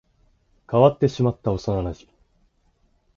変わってしまった幼馴染